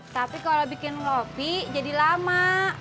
tapi kalau bikin ngopi jadi lama